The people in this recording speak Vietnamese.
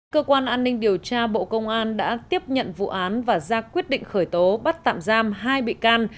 cơ quan an ninh điều tra bộ công an đã tiếp nhận vụ án và ra quyết định khởi tố bắt tạm giam hai bị can